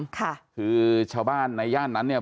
ค่ะคือชาวบ้านในย่านนั้นเนี่ย